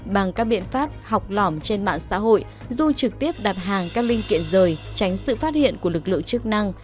bằng các biện pháp học lỏng trên mạng xã hội du trực tiếp đặt hàng các linh kiện rời tránh sự phát hiện của lực lượng chức năng